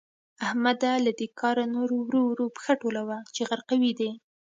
احمده؛ له دې کاره نور ورو ورو پښه ټولوه چې غرقوي دي.